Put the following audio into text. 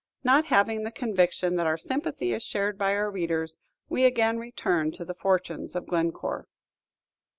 Not having the conviction that our sympathy is shared by our readers, we again return to the fortunes of Glencore.